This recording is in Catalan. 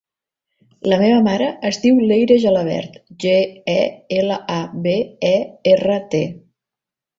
La meva mare es diu Leyre Gelabert: ge, e, ela, a, be, e, erra, te.